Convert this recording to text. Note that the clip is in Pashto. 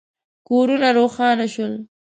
کورونه روښانه شول.